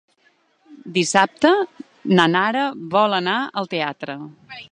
Dissabte na Nara vol anar al teatre.